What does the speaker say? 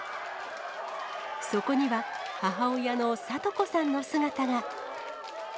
そこには、母親の聡子さんの姿が。